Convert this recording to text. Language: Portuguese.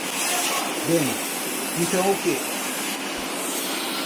Bem, então o que?